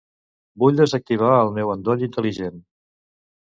Vull desactivar el meu endoll intel·ligent.